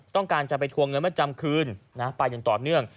ต้องการจะไปทวงเงินมาจำคืนไปอย่างต่อเนื่อง